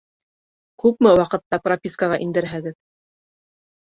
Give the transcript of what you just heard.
Күпме ваҡытҡа пропискаға индерәһегеҙ?